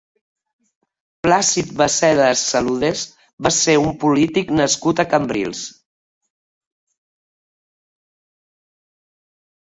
Plàcid Bassedes Saludes va ser un polític nascut a Cambrils.